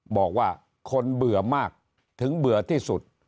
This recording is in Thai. บอกว่าคนเบื่อมากถึงเบื่อที่สุด